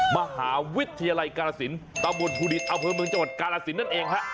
มหาวิทยาลัยกาลสินตะบนภูดินอำเภอเมืองจังหวัดกาลสินนั่นเองฮะ